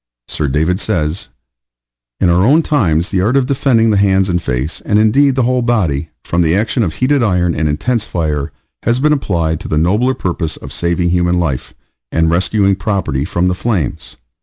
Sir David says: In our own times the art of defending the hands and face, and indeed the whole body, from the action of heated iron and intense fire, has been applied to the nobler purpose of saving human life, and rescuing property from the flames.